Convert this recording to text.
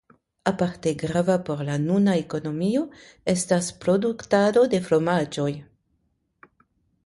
Aparte grava por la nuna ekonomio estas produktado de fromaĝoj.